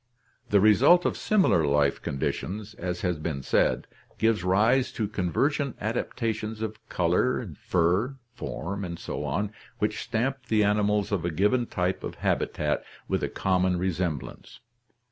The result of similar life conditions, as has been said, gives rise to convergent adaptations of color, fur, form, and so on, which stamp the animals of a given type of habitat with a common re semblance.